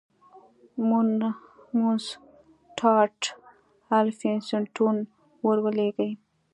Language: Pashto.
مونسټارټ الفینستون ور ولېږی.